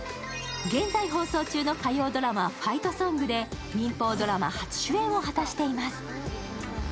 現在放送中の火曜ドラマ「ファイトソング」で民放ドラマ初主演を果たしています。